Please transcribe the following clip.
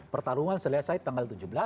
pertarungan selesai tanggal tujuh belas